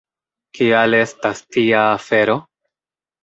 Kial estas tia afero?